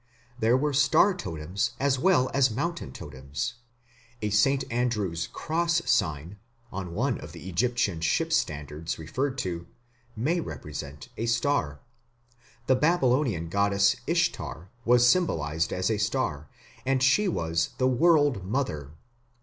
There were star totems as well as mountain totems. A St. Andrew's cross sign, on one of the Egyptian ship standards referred to, may represent a star. The Babylonian goddess Ishtar was symbolized as a star, and she was the "world mother".